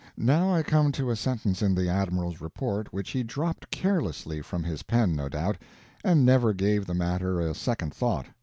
Now I come to a sentence in the admiral's report which he dropped carelessly from his pen, no doubt, and never gave the matter a second thought.